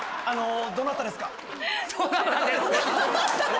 あの。